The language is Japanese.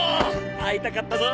会いたかったぞ！